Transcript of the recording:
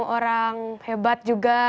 orang hebat juga